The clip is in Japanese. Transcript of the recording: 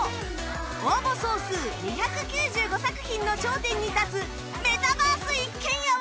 応募総数２９５作品の頂点に立つメタバース一軒家は？